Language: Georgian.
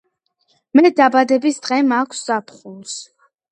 მე დაბადების დღე მაქვს ზაფხულს